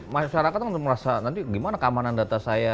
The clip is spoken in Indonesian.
masyarakat untuk merasa nanti gimana keamanan data saya